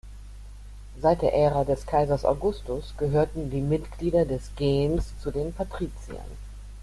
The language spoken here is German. Seit der Ära des Kaisers Augustus gehörten die Mitglieder des "gens" zu den Patriziern.